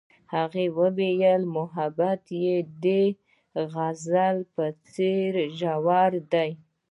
هغې وویل محبت یې د غزل په څېر ژور دی.